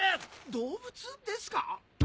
動物ですか？